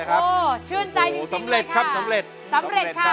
โอโฮชื่นจ่ายจริงเลยครับ